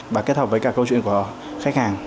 và kết hợp với cả câu chuyện của khách hàng